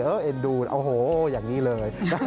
เอ็นดูโอ้โหอย่างนี้เลย